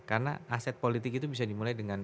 karena aset politik itu bisa dimulai dengan